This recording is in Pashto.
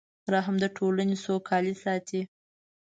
رحم د ټولنې سوکالي ساتي.